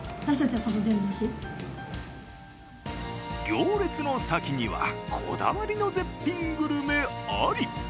行列の先にはこだわりの絶品グルメあり。